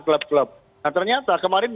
klub klub nah ternyata kemarin